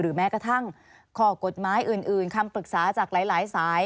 แม้กระทั่งข้อกฎหมายอื่นคำปรึกษาจากหลายสาย